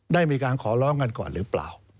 ได้มีการขอร้องกันก่อนหรือเปล่า